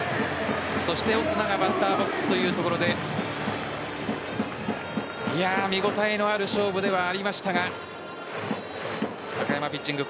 そしてオスナがバッターボックスというところで見応えのある勝負ではありましたが高山ピッチング